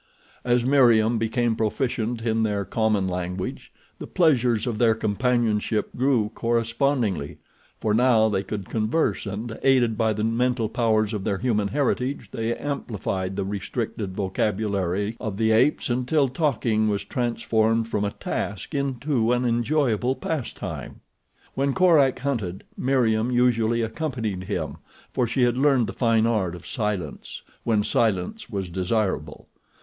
As Meriem became proficient in their common language the pleasures of their companionship grew correspondingly, for now they could converse and aided by the mental powers of their human heritage they amplified the restricted vocabulary of the apes until talking was transformed from a task into an enjoyable pastime. When Korak hunted, Meriem usually accompanied him, for she had learned the fine art of silence, when silence was desirable.